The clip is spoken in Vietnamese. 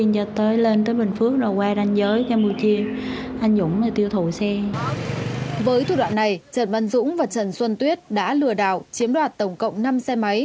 với thủ đoạn này trần văn dũng và trần xuân tuyết đã lừa đảo chiếm đoạt tổng cộng năm xe máy